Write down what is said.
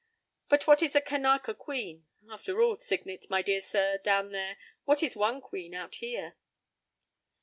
But what is a Kanaka queen? After all, Signet, my dear sir, down there, what is one queen, out here?"